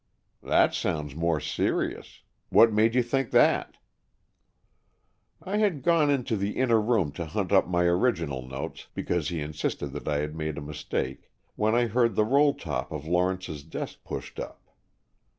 "That sounds more serious. What made you think that?" "I had gone into the inner room to hunt up my original notes, because he insisted that I had made a mistake, when I heard the roll top of Lawrence's desk pushed up.